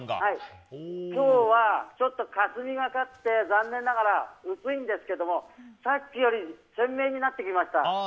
今日はちょっとかすみがかって残念ながら薄いんですけども、さっきより鮮明になってきました。